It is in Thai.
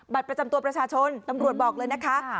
ประจำตัวประชาชนตำรวจบอกเลยนะคะ